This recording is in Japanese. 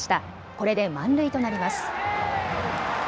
これで満塁となります。